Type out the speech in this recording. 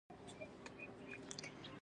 د جروبي په کلي کې یې دېره وکړه.